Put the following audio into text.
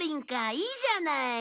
いいじゃない。